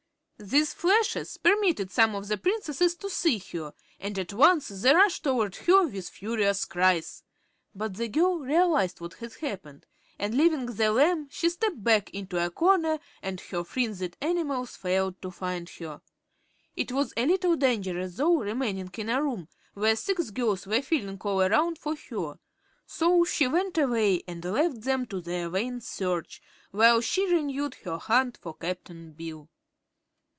These flashes permitted some of the Princesses to see her and at once they rushed toward her with furious cries. But the girl realized what had happened, and leaving the lamb she stepped back into a corner and her frenzied enemies failed to find her. It was a little dangerous, though, remaining in a room where six girls were feeling all around for her, so she went away and left them to their vain search while she renewed her hunt for Cap'n Bill.